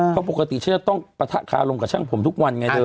เพราะปกติเชื้อต้องปะทะคาลงกับช่างผมทุกวันไงเธอ